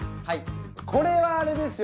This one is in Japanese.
これはあれですよ。